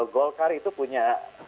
golkar itu punya